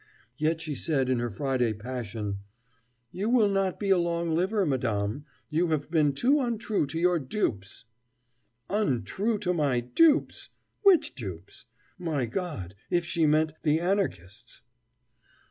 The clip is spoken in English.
Yet she said in her Friday passion: "You will not be a long liver, Madame, you have been too untrue to your dupes." Untrue to my dupes! Which dupes? My God, if she meant the Anarchists!